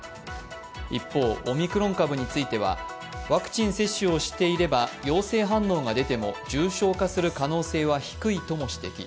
一方、オミクロン株についてはワクチン接種をしていれば陽性反応が出ても重症化する可能性は低いとも指摘。